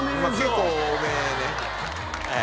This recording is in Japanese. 結構多めね。